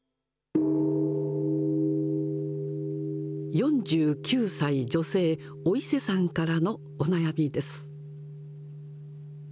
４９歳、女性、お伊勢さんからのお悩みです。